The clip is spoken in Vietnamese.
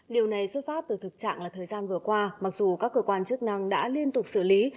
điều này xuất phát từ thực trạng là thời gian vừa qua mặc dù các cơ quan chức năng đã liên tục xử lý